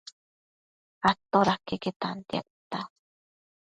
Atoda queque tantia tita